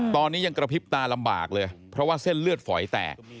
ตอนนี้ยังกระพริบตาลำบากเลยเพราะว่าเส้นเลือดฝอยแตก